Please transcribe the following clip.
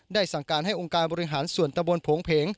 สั่งการให้องค์การบริหารส่วนตะบนโผงเพง